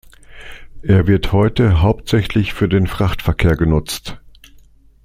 Er wird heute hauptsächlich für den Frachtverkehr genutzt.